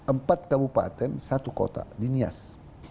empat kabupaten satu kota di nias